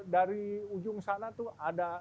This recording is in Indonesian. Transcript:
dari ujung sana tuh ada